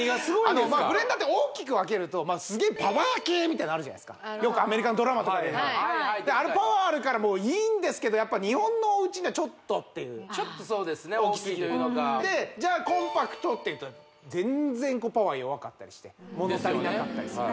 ブレンダーって大きく分けるとすげえパワー系みたいのあるじゃないっすかよくアメリカのドラマとかであれパワーあるからいいんですけどやっぱ日本のおうちにはちょっとっていうちょっとそうですね大きいというのかでじゃあコンパクトっていうと全然パワー弱かったりして物足りなかったりする